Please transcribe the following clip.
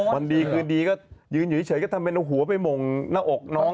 วันดีคืนดีก็ยืนอยู่เฉยก็ทำเป็นเอาหัวไปหม่งหน้าอกน้อง